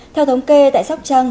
theo thống kê tại sóc trăng